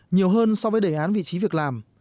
nhiều hơn so với đề án vị trí việc làm